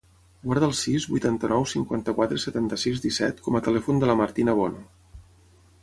Guarda el sis, vuitanta-nou, cinquanta-quatre, setanta-sis, disset com a telèfon de la Martina Bono.